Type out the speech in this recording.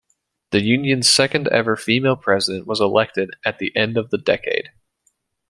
The Union's second ever female President was elected at the end of the decade.